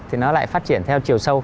thì nó lại phát triển theo chiều sâu